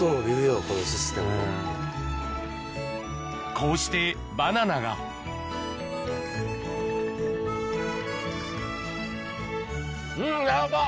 こうしてバナナがうん軟らかっ！